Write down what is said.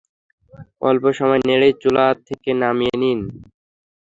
অল্প সময় নেড়েই চুলা থেকে নামিয়ে নিন।